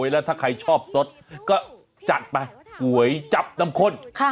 แล้วใครชอบซอสก็จัดไปอวยจับน้ำคอล